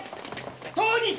当事者。